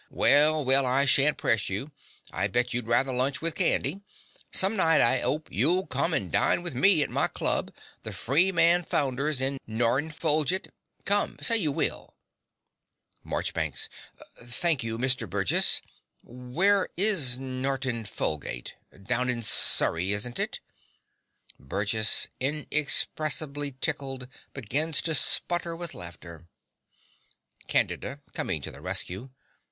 Well, well, I shan't press you: I bet you'd rather lunch with Candy. Some night, I 'ope, you'll come and dine with me at my club, the Freeman Founders in Nortn Folgit. Come, say you will. MARCHBANKS. Thank you, Mr. Burgess. Where is Norton Folgate down in Surrey, isn't it? (Burgess, inexpressibly tickled, begins to splutter with laughter.) CANDIDA (coming to the rescue).